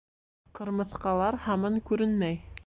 Ҡырмыҫҡалар һаман күренмәй.